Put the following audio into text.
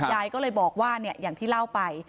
ยายก็เลยบอกว่าอย่างที่เล่าไป